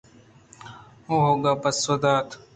اولگاءَ پسو دات